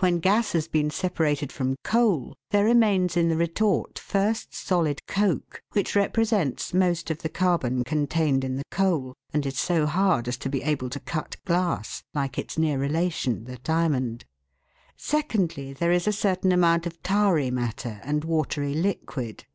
When gas has been separated from coal there remains in the retort, first, solid coke, which represents most of the carbon contained in the coal, and is so hard as to be able to cut glass, like its near relation, the diamond ; secondly, there is a certain amount of tarry matter and watery liquid.